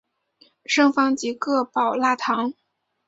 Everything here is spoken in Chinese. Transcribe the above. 圣方济各保拉堂。